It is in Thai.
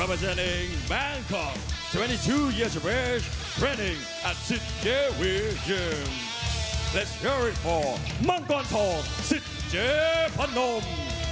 มังต้อนทองสิตเจ้าพันธม